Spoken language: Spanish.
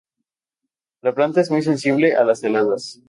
Esta planta es muy sensible a las heladas.